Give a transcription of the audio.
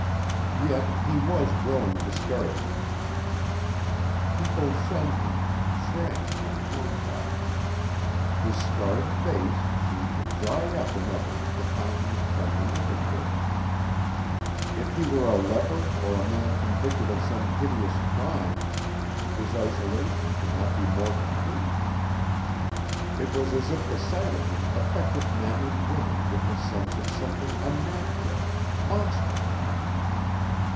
Yet he was growing discouraged. People shunned him, shrank from contact. His scarred face seemed to dry up in others the fountain of friendly intercourse. If he were a leper or a man convicted of some hideous crime, his isolation could not be more complete. It was as if the sight of him affected men and women with a sense of something unnatural, monstrous.